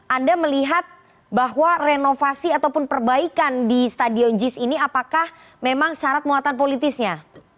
anda melihat bahwa renovasi ataupun perbaikan di stadion jis ini apakah memang syarat muatan politisnya